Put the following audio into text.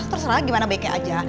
terserah gimana baiknya aja